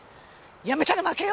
辞めたら負けよ。